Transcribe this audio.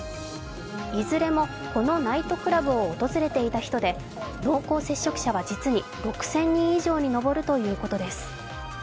いずれも、このナイトクラブを訪れていた人で、濃厚接触者は実に６０００人以上に上るということです。